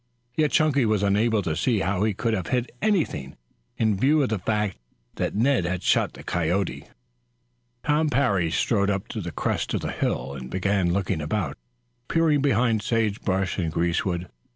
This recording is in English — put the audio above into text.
Yet Chunky was unable to see how he could have hit anything, in view of the fact that Ned had shot the coyote. Tom Parry strode up to the crest of the hill and began looking about, peering behind sage bush and greasewood.